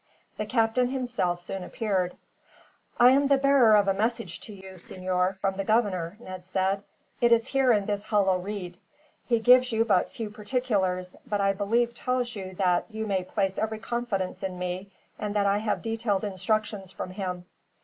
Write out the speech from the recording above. The captain himself soon appeared. "I am the bearer of a message to you, senor, from the governor," Ned said. "It is here in this hollow reed. He gives you but few particulars, but I believe tells you that you may place every confidence in me, and that I have detailed instructions from him."